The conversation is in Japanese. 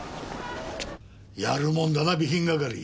やるもんだな備品係。